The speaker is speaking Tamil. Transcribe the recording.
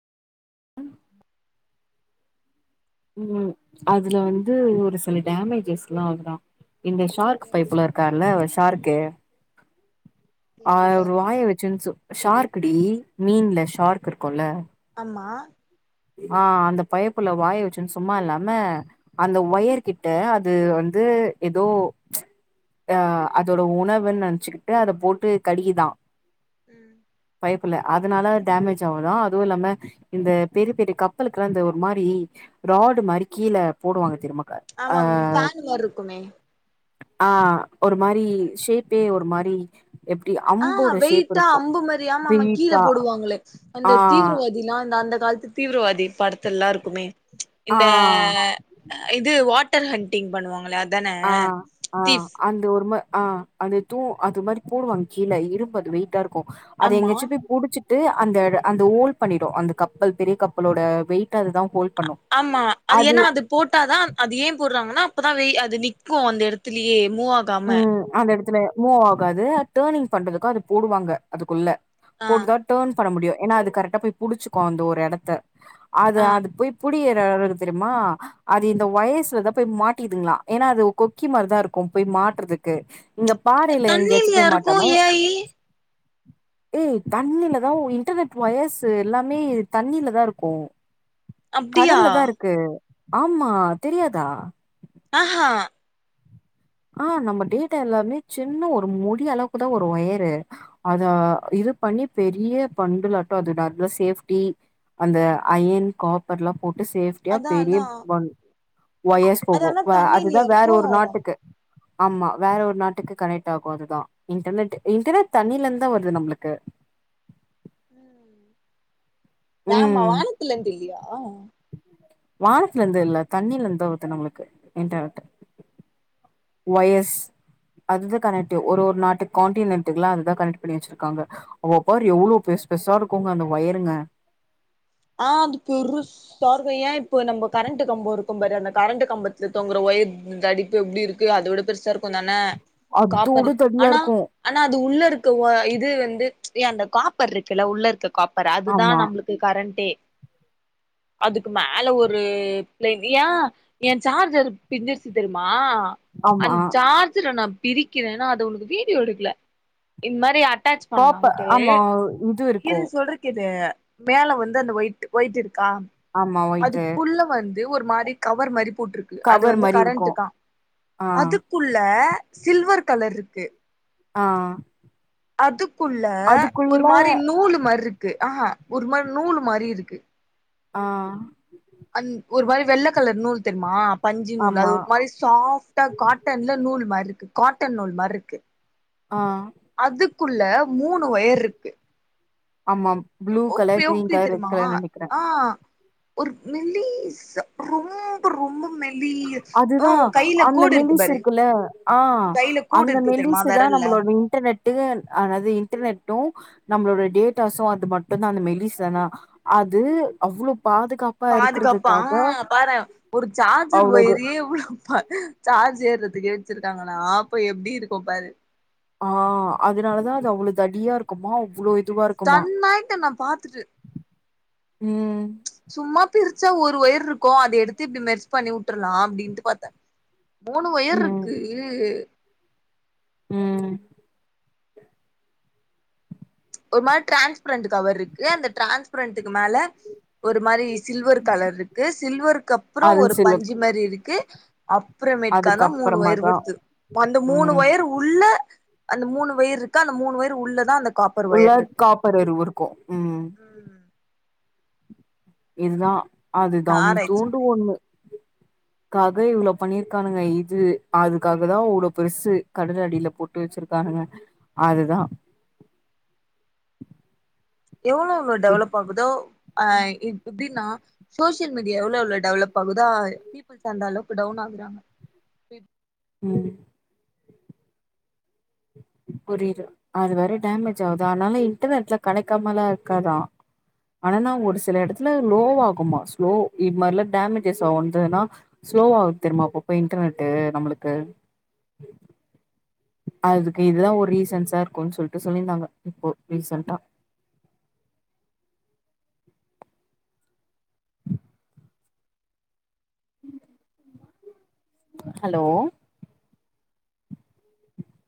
ம் அதுல ம் வந்து ஒரு சில டேமேஜஸ்ல்லா வருதா இந்த ஷார்க் இயற்கையா இது பைப்லருக்க ல்ல ஷாருக்கு தெரில அவுரு வாய வெச்சின் சு ஷார்க்கிடி மீன்ல ஷார்க்கிருக்குல்ல அம்மா ஆ அந்த பயபுல வாய வெச்சுன் சும்மா இல்லாம அந்த ஒயர் கிட்ட அது வந்து எதோ ஆ அதோட உணவுன் நெனச்சிக்கிட்டு அத போட்டு கடிக்குதா ம் பையப்புல அதனால டேமேஜ் ஆவுதா அதுவு இல்லாம இந்த பெரி பெரி கப்பலுக்கெல்லா அந்த ஒரு மாரி ராடு மாரி கீழ போடுவாங்க திரிமா ஆமா ஃபேனு மாரருக்குமே ஆ ஒரு மாரி ஷேப்பே ஒரு மாரி எப்டி ஆ ஆ அம்போட ஷேப் வெயிட்டா இருக்கு அம்பு மாரி ஆமாமா கீழ வெயிட்டா போடுவாங்களே ஆ அந்த தீவரவா தில்லா அந்த அந்த காலத்து தீவிரவாதி படத்தல்லா இருக்குமே ஆ இந்த இது வாட்டர் ஹண்டிங் பண்ணுவாங்களே அ ஆ ஆ அந்த ஒரும ஆ அது தூ அது மாரி போடுவாங்க கீழ இரும்பு அது வெயிட்டா இருக்கு அது ஆமா எங்காச்சி போ புடிச்சிட்டு அந்த அந்த ஹோல் பண்ணிடு அந்த கப்பல் பெரிய கப்பலோட வெயிட் அது தா ஹோல் பண்ணு ஆமா அது ஏனா அது போட்டாதா அது ஏ போடுறாங்கன்னா அப்பதா வெய் அது நிக்கு அந்த எடத்துலியே மூவா கு அந்த எடத்துல மூவாகாது டேர்னிங் பண்றதுக்கு அது போடுவாங்க அதுகுள்ள ஆ போட்டுதா டேர்ன் பண்ண முடியு ஏனா அது கரெட்டா போய் புடிச்சுக்கு அந்த ஒரு எடத்த அது ஆ அது போய் புடியிற எடோயிருக்கு தெரிமா அது இந்த வயர்ஸ்லத போய் மாட்டிதுங்ளா ஏனா அது கொக்கி மாரிதாருக்கும் போய் மாட்றதுக்கு இங்க பாறையில யெங்கயாச்சும் தண்ணிலயா போய் இருக்கு மாட்டாம ஏ ஐ ஏய் தண்ணில தான் இன்டர்நெட் ஒயர்ஷு யெல்லாமே தண்ணில தா இருக்கும் [inaudible] [unintelligible] அப்டியா கடல்ல தான் இருக்கு ஆமா தெரியாதா அ ஹ ஆ நம்ம டேட்டா எல்லாமே சின்ன ஒரு மொடி அளவுக்குதா ஒரு ஒயரு அதா இது பண்ணி பெரிய பண்டலாட்டு அது டாட்லா சேஃப்டி அந்த அயன் காப்பர் ல்லா போட்டு சேப்டியா அதா பெரிய அதா பண் ஒயர்ஸ் அது போகும் ஆனா அதுதா தண்ணிலயா வேற இருக்கு ஒரு ஒரு நாட்டுக்கு ஆமா வேற ஒரு நாட்டுக்கு கனெக்ட் ஆகும் அதுதா இன்டர்நெட் இன்டர்நெட் தண்ணில இருந்து தா வருது நம்ளுக்கு நாம ம் வானத்ல இருந்து இல்லயா வானத்துல இந்துல்ல தண்ணில இந்துதா வருது நம்ளுக்கு இன்டர்நெட் ஒயஸ் அதுதா கனெக்ட்வ் ஒரு ஒரு நாட்டு கான்டினென்ட்டுல்லா அதா கனெக்ட் பண்ணி வச்ர்க்காங்க அவ பாரு எவ்வளவு பெர்ஸ் பெர்சா இருக்குங்க அந்த ஒயருங்க ஆ பெருஷ் ஷா இருக்கும் ஏன் இப்ப நம்ம கரண்ட் கம்போ இருக்கு பாரு அந்த கரண்ட் கம்பத்துல தோங்குற ஒயர் தடிப்பு எப்டி இரு க்கு அத விட பெருசா இருக்கும தான அதோட காப்பர் தடியா ஆனா இருக்கு ஆனா அது உள்ள இருக்க இது வந்து ஏ அந்த காப்பர் இருக்குல்ல உள்ள இருக்க காப்பர் அதுதா ஆமா நம்ளுக்கு கரண்டே அதுக்கு மேல ஒரு பிளேவி யா என் சார்ஜர் பிஞ்சிருச்சி தெரியுமா ஆமா அந்த சார்ஜர நா பிரிக்கிறேன்னா அத உனக்கு வீடியோ எடுக்கல இந் மாரி அட்டாச் காப்ப பண்ணாம்ட்டு ஆமா இது இருக்கு சொல்றக்குது கேது மேல வந்து அந்த ஒயிட் ஒயிட் இருக்கா ஆமா ஒயிட்டு அதுக்குள்ள வந் து ஒரு மாரி கவர் மாரி போட்ருக்கு அது கவர் வந்து மாரி இருக்கு கரண்ட்ட கா ஆ அதுக் குள்ள சில்வர் கலர் இருக்கு ஆ அதுக்குள்ள ஒரு அதுக்குள்ள மாரி நூல் மாரி இருக்கு ஆஹ ஒரு மாரி நூல் மாரி இருக்கு ஆ அன் ஒரு மாரி வெள்ள கலர் நூல் தெர்மா பஞ்சி நூல் ஆமா அது ஒரு மாரி சாஃப்டா காட்டன்ல நூல் மாரி இருக்கு காட்டன் நூல் மாரி இருக்கு ஆ அதுக்குள்ள மூணு ஒயர் இருக்கு ஆமா ப்ளூ கலர் கிரீன் எப்டி கலர் ரெட் தெரிமா கலர் நெனைக்கிற ஆ ஒரு மெலிசா ரொம்ப ரொம்ப மெலி அதுதா அந்த மெல்லிசு பாரு இருக்குல்ல ஆ உ கையில கோடு அந்த இருக்கு தெரியுமா மெல்லிசுதா வெரல்ல நம்மளோட இன்டர்நெட்டு ஆதாது இன்டர்நெட்டும் நம்மளோட டேட்டாஸு அது மட்டும்தா அந்த மெலிஸ னா அது அவ்வளோ பாதுகாப் பாதுகாப்பா பாறே ஒரு சார்ஜர் அவ்ளோது ஒயறே எவ்ளோ பாத் சார்ஜ் ஏர்றதுக்குே வெச்சிருக்காங்கண்ணா அப்ப எப்டி இருக்கும் பாரு ஆ அதனாலதா அது அவ்ளோ தடியா இருக்குமா அவ்ளோ இதுவா இருக்குமா. ஸ்டன்னாயிட் நா பாத்துட்டு ம் சும்மா பிரிச்சா ஒரு ஒயிறு இருக்கும் அத எடுத்து இப்டி மெர்ச்பண்ணி உட்ரலா அப்டின்னுட்டு பாத்தே மூணு ஒயிர் ம் இருக்கு ம் ஒரு மாரி டிரான்ஸ்பரண்ட் கவர் இருக்கு அந்த டிரான்ஸ்பரண்ட்க்கு மேல ஒரு மாரி சில்வர் கலர் இருக்கு சில்வருக்கு அப்றோ அது ஒரு சில பஞ்சு மாரி இருக்கு அப்றமேட்காதா மூணு வொயர் அதுக்கப்புறமாதா வருது அந்த மூணு ம் வொயிரு உள்ள அந்த மூணு வொயிரு இருக்கு அந்த மூணு வயிரு உள்ளதா அந்த காப் உள்ள காப்பர் அருவு இருக்கு ம் இதுதா அது நா ஆராய்ச்சி தம்தூண்டு பண்ணே ஒண்ணு க்காக இவ்ளோ பண்ணிருக்கானுங்க இது அதுக்காக தா வ்ளோ பெருசு கடல் அடியில போட்டு வெச்சிருக்கானுங்க அதுதா எவ்ளோவுங்க இப் டெவலப் ஆக் இதோ அ இப் எப்டின்னா சோசியல் மீடியா எவ்ளோ எவ்ளோ டெவலப் ஆகுதோ இ [inaudible] ஸ் அந்த அளவுக்கு டவுன் ஆகுதா ம் புரியுது அதுவேற டேமேஜ் ஆவுது அதனால இன்டர்நெட்ல கணகாமலா இருக்காதா ஆனனா ஒரு செல எடத்துல லோவாகுமா ஸ்லோ இத் மாரிலா டேமேஜஸ் வந்ததுனா ஸ்லோவாவு தெரிமா அப்பப்ப இன்டர்நெட்டு நம்ளுக்கு அதுக்கு இதுதா ஒரு ரீசன்ஸா இருக்குன்னு சொல்லிட்டு சொல்லிந்தாங்க இப்போ ரீசன்டா ஹ் ஹலோ